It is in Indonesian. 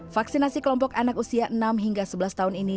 vaksinasi kelompok anak usia enam hingga sebelas tahun ini